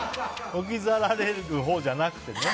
置き去られるほうじゃなくて。